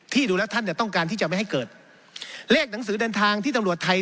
ดูแล้วท่านเนี่ยต้องการที่จะไม่ให้เกิดเลขหนังสือเดินทางที่ตำรวจไทย